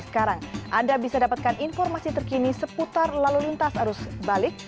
sekarang anda bisa dapatkan informasi terkini seputar lalu lintas arus balik